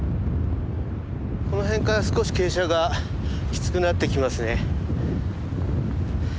この辺から少し傾斜がきつくなってきますね。